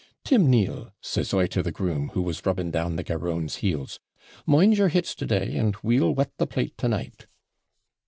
'"Tim Neal," says I to the groom, who was rubbing down the garrone's heels, "mind your hits to day, and WEE'L wet the plate to night."